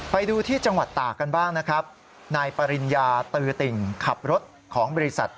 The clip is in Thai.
ไปดูที่จังหวัดตากกันบ้างนะครับนายปริญญาตือติ่งขับรถของบริษัท